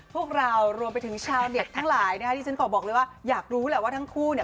พวกเรารวมไปถึงชาวเน็ตทั้งหลายนะคะที่ฉันขอบอกเลยว่าอยากรู้แหละว่าทั้งคู่เนี่ย